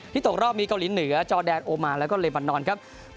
ตกรอบมีเกาหลีเหนือจอแดนโอมานแล้วก็เลบันนอนครับ